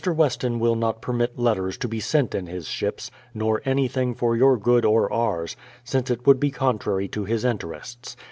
Weston will not permit letters to be sent in his ships, nor anything for your good or ours, since it would be contrary to his interests.